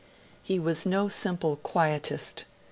He was no simple quietist.